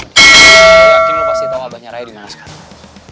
gue yakin lo pasti tau abahnya raya dimana sekarang